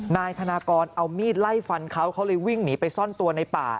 นายธนากรเอามีดไล่ฟันเขาเขาเลยวิ่งหนีไปซ่อนตัวในป่า